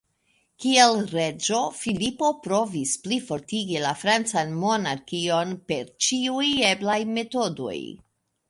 Kiel reĝo, Filipo provis plifortigi la francan monarkion per ĉiuj eblaj metodoj.